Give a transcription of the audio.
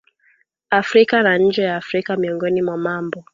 Afrika na nje ya Afrika Miongoni mwa mambo